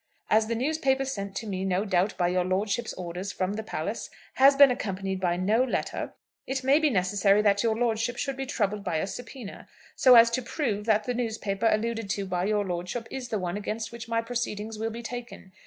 "As the newspaper sent to me, no doubt by your lordship's orders, from the palace, has been accompanied by no letter, it may be necessary that your lordship should be troubled by a subp[oe]na, so as to prove that the newspaper alluded to by your lordship is the one against which my proceedings will be taken.